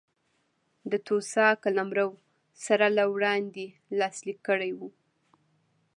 د توسا قلمرو سره له وړاندې لاسلیک کړی و.